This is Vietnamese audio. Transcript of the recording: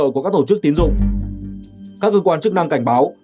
các cơ quan chức năng cảnh báo